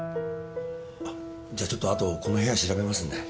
じゃちょっとあとこの部屋調べますんで。